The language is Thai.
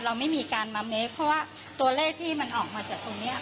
เราไม่มีการมาเมคเพราะว่าตัวเลขที่มันออกมาจากตรงนี้